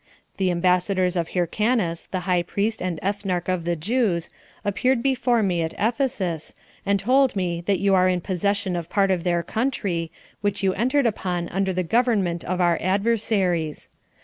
The ambassadors of Hyrcanus, the high priest and ethnarch [of the Jews], appeared before me at Ephesus, and told me that you are in possession of part of their country, which you entered upon under the government of our adversaries.